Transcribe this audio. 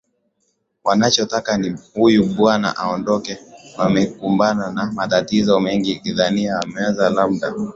wanachotaka ni huyu bwana aondokee wamekumbana na matatizo mengi nadhani wameona labda